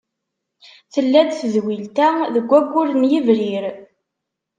Tella-d tedwilt-a deg waggur n yebrir.